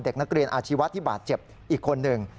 เด็กนักเรียนอาชีวะที่บาดเจ็บอีกคนหนึ่ง